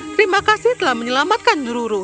terima kasih telah menyelamatkan deruru